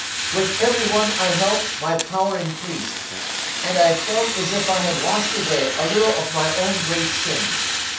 With every one I helped my power increased, and I felt as if I had washed away a little of my own great sin.